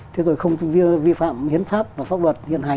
thế rồi không vi phạm hiến pháp và pháp luật hiện hành